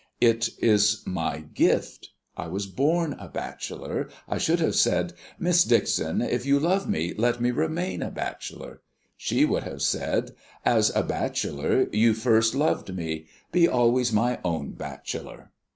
It is my gift. I was born a bachelor. I should have said, 'Miss Dixon, if you love me, let me remain a bachelor.' She would have said, 'As a bachelor you first loved me; be always my own bachelor.